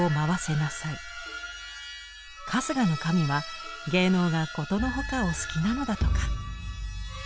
春日の神は芸能がことのほかお好きなのだとか。